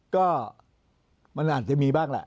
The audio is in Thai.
ก็มันอาจจะมีบ้างแหละ